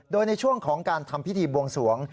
โดยในช่วงของการทำพิธีบวงสวง